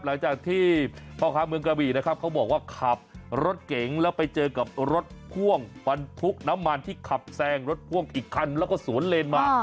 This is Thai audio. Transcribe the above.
หลังจากที่พ่อค้าเมืองกระบี่นะครับเขาบอกว่าขับรถเก๋งแล้วไปเจอกับรถพ่วงบรรทุกน้ำมันที่ขับแซงรถพ่วงอีกคันแล้วก็สวนเลนมา